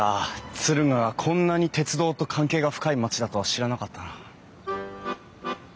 敦賀がこんなに鉄道と関係が深い町だとは知らなかったな。